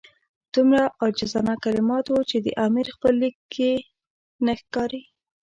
دومره عاجزانه کلمات وو چې د امیر خپل لیک نه ښکاري.